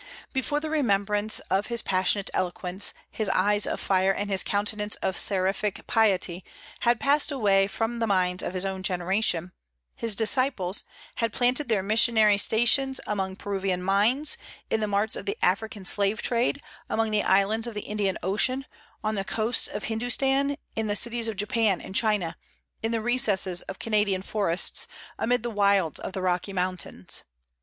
Before the remembrance of his passionate eloquence, his eyes of fire, and his countenance of seraphic piety had passed away from the minds of his own generation, his disciples "had planted their missionary stations among Peruvian mines, in the marts of the African slave trade, among the islands of the Indian Ocean, on the coasts of Hindustan, in the cities of Japan and China, in the recesses of Canadian forests, amid the wilds of the Rocky Mountains."